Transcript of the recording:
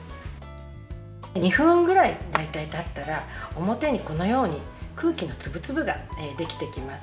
２分ぐらいたったら表にこのように空気の粒々ができてきます。